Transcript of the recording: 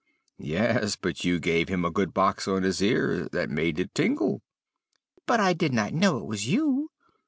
"'Yes; but you gave him a good box on his ear that made it tingle!' "'But I did not know it was you.